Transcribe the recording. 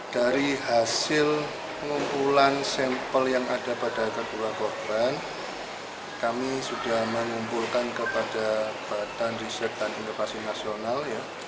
dari hasil pengumpulan sampel yang ada pada kedua korban kami sudah mengumpulkan kepada badan riset dan inovasi nasional